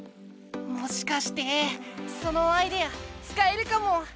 もしかしてそのアイデアつかえるかも。